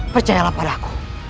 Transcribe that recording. percayalah pada aku